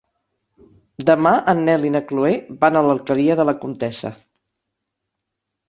Demà en Nel i na Chloé van a l'Alqueria de la Comtessa.